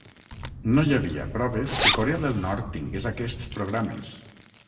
No hi havia proves que Corea del Nord tingués aquests programes.